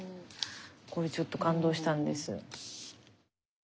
これちょっと感動したんです。